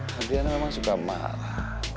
tapi ana memang suka marah